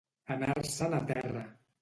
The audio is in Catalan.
Anar-se'n a terra.